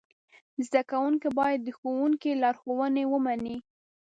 زده کوونکي باید د ښوونکي لارښوونې ومني.